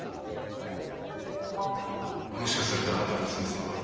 もしかするとあなたの娘さんは。